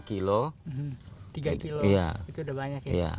tiga kilo itu udah banyak ya